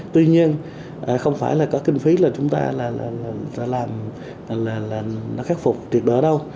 tuy nhiên không phải là có kinh phí là chúng ta đã làm là nó khắc phục được đó đâu